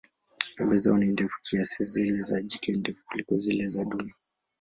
Pembe zao ni ndefu kiasi, zile za jike ndefu kuliko zile za dume.